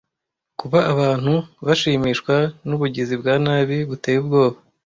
Kuba abantu bashimishwa nubugizi bwa nabi buteye ubwoba.